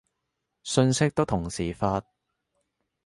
信息都同時發